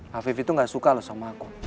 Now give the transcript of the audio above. hafib itu gak suka loh sama aku